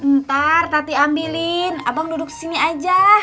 ntar tati ambilin abang duduk sini aja